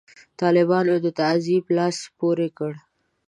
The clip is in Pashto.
طالبانو د تعذیب لاس پورې کړ.